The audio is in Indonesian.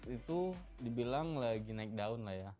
itu dibilang lagi naik daun lah ya